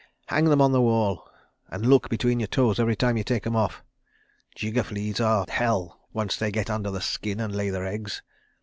Hang them on the wall. ... And look between your toes every time you take 'em off. Jigger fleas are, hell, once they get under the skin and lay their eggs.